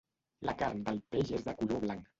La carn del peix és de color blanc.